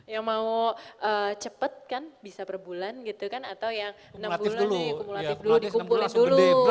yang mau cepat kan bisa per bulan gitu kan atau yang enam bulan nih kumulatif dulu dikumpulin dulu